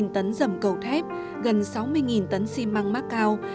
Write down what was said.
hai mươi sáu tấn dầm cầu thép gần sáu mươi tấn xi măng mác cao